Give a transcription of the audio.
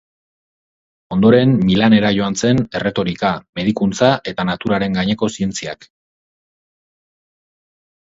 Ondoren, Milanera joan zen erretorika, medikuntza eta naturaren gaineko zientziak.